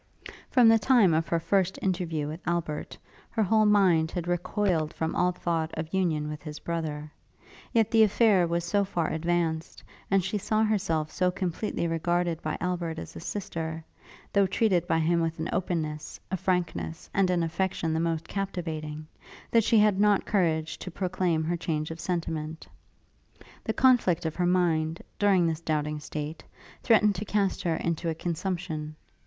From the time of her first interview with Albert, her whole mind had recoiled from all thought of union with his brother; yet the affair was so far advanced, and she saw herself so completely regarded by Albert as a sister, though treated by him with an openness, a frankness, and an affection the most captivating, that she had not courage to proclaim her change of sentiment. The conflict of her mind, during this doubting state, threatened to cast her into a consumption.